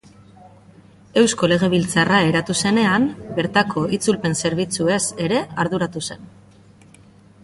Eusko Legebiltzarra eratu zenean, bertako itzulpen-zerbitzuez ere arduratu zen.